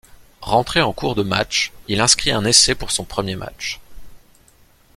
Rentré en cours de match, il inscrit un essai pour son premier match.